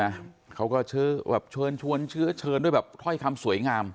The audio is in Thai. ใช่ไหมเขาก็เชิญชวนชื้อเชิญด้วยแบบถ้อยคำสวยงาม